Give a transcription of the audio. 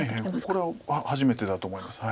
これは初めてだと思います。